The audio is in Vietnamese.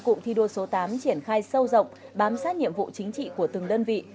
cụm thi đua số tám triển khai sâu rộng bám sát nhiệm vụ chính trị của từng đơn vị